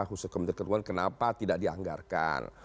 khusus kementerian keuangan kenapa tidak dianggarkan